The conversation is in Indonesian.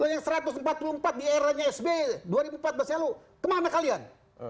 yang satu ratus empat puluh empat di era sb dua ribu empat basialu kemana kalian